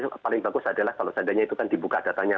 yang paling bagus adalah kalau seandainya itu kan dibuka datanya